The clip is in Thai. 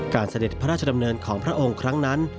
เสด็จพระราชดำเนินของพระองค์ครั้งนั้น